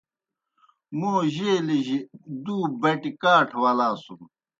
موں جیلِجیُ دُو بٹیْ کاٹھہ ولاسُن۔